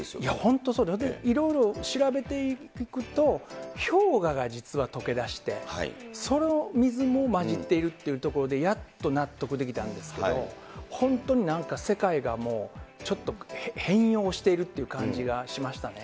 いろいろ、調べていくと、氷河が実はとけだして、その水も混じっているというところでやっと納得できたんですけど、本当になんか世界がもう、ちょっと、変容しているという感じがしましたね。